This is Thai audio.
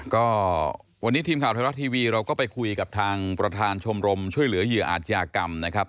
ก็วันนี้ทีมข่าวไทยรัฐทีวีเราก็ไปคุยกับทางประธานชมรมช่วยเหลือเหยื่ออาจยากรรมนะครับ